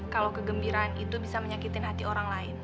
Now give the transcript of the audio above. kalau kegembiraan itu bisa menyakitin hati orang lain